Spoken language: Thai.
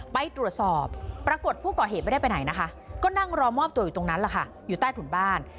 ไปตรวจสอบปรากฏผู้ก่อเหตุไม่ได้ไปไหนนะคะก็นั่งรอมอบตัวอยู่ตรงนั้นแหละค่ะอยู่ใต้ถุนบ้าน